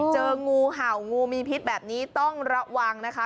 เจองูเห่างูมีพิษแบบนี้ต้องระวังนะคะ